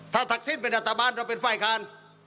ถ้าศักดิ์สิ้นเป็นรัฐบาลเราเป็นฝ่ายค้าน